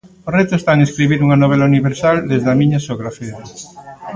O reto está en escribir unha novela universal desde a miña xeografía.